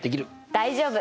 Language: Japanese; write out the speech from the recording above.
大丈夫！